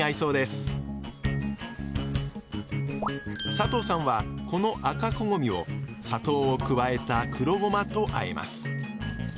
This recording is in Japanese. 佐藤さんはこの赤こごみを砂糖を加えた黒ごまと和えます。